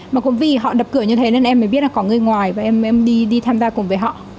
mà cũng vì họ đập cửa như thế nên em mới biết là có người ngoài và em đi tham gia cùng với họ